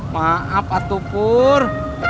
maaf atuh pur